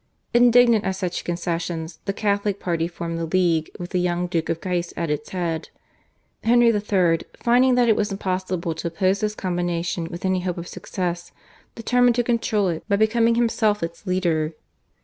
Indignant at such concessions the Catholic party formed the League with the young Duke of Guise at its head. Henry III., finding that it was impossible to oppose this combination with any hope of success, determined to control it by becoming himself its leader.